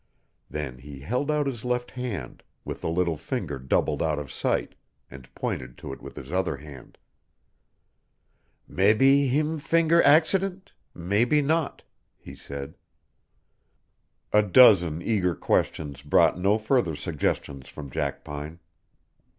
Then he held out his left hand, with the little finger doubled out of sight, and pointed to it with his other hand. "Mebby heem finger ax'dent mebby not," he said. A dozen eager questions brought no further suggestions from Jackpine.